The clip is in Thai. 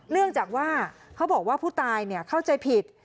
เนื่องจากว่าเขาบอกว่าผู้ตายเข้าใจผิด